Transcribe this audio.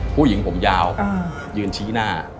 ผู้หญิงผมยาวยืนชี้หน้า